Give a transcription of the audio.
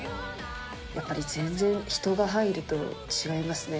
やっぱり全然人が入ると違いますね。